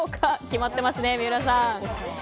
決まってますね、三浦さん。